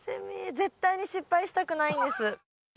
絶対に失敗したくないんです。